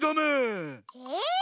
え？